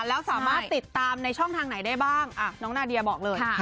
แล้วสามารถติดตามในช่องทางไหนได้บ้างน้องนาเดียบอกเลย